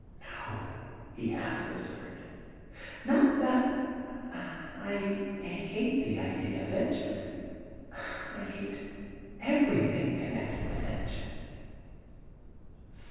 * No,' he half whispered, * not that — I hate the idea of it. I hate everything connected with it.'